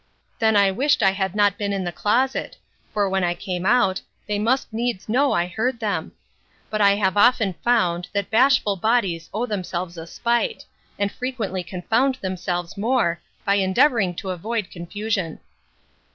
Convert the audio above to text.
Then I wished I had not been in the closet; for when I came out, they must needs know I heard them; but I have often found, that bashful bodies owe themselves a spite, and frequently confound themselves more, by endeavouring to avoid confusion.